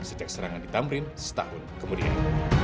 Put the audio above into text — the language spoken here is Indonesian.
sejak serangan di tamrin setahun kemudian